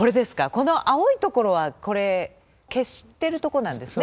この青い所はこれ消してるとこなんですね。